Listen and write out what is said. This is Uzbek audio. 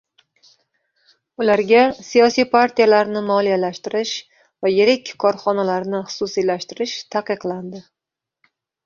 Ularga siyosiy partiyalarni moliyalashtirish va yirik korxonalarni xususiylashtirish taqiqlandi